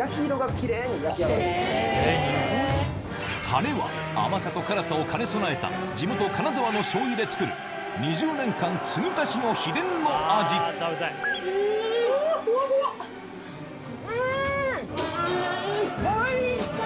タレは甘さと辛さを兼ね備えた地元金沢の醤油で作る２０年間継ぎ足しの秘伝の味うん！